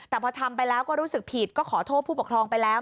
แต่พอทำไปแล้วก็รู้สึกผิดก็ขอโทษผู้ปกครองไปแล้ว